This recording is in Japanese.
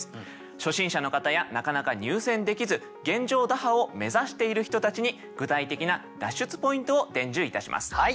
初心者の方やなかなか入選できず現状打破を目指している人たちに具体的な脱出ポイントを伝授いたします。